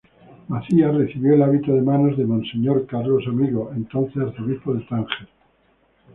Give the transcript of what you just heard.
Macías recibió el hábito de manos de Monseñor Carlos Amigo, entonces Arzobispo de Tánger.